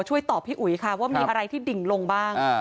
ช่วยตอบพี่อุ๋ยค่ะว่ามีอะไรที่ดิ่งลงบ้าง